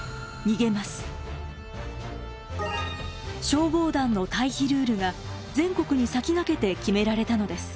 消防団の退避ルールが全国に先駆けて決められたのです。